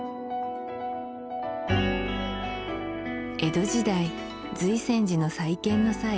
江戸時代瑞泉寺の再建の際